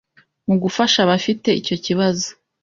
mu gufasha abafite icyo kibazo,